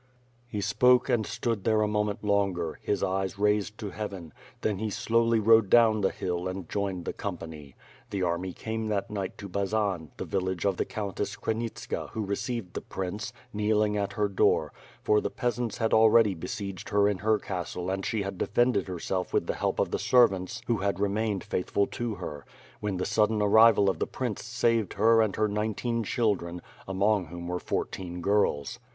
He spoke and stood there a moment longer, his eyes raised to Heaven; then he slowly rode down the hill and joined the company. The army came that night to Bazan, the village of the Countess Krinitska who received the prince, kneeling at her door, for the peasants had already besieged her in her castle and she had defended herself with the help of the servants who had remained faithful to her; when the sudden arrival of the prince saved her and her nineteen children, among whom were fourteen girls.